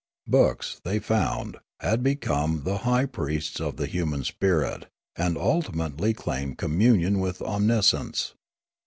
Books, they found, had become the high priests of the human spirit, and ultimately claimed communion with omniscience.